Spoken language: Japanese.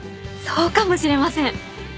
そうかもしれません。